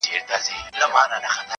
غواړي پاچا د نوي نوي هنرونو کیسې.